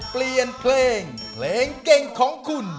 เปลี่ยนเพลงเพลงเก่งของคุณ